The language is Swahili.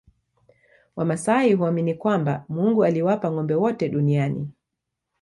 Wamasai huamini kwamba Mungu aliwapa ngombe wote duniani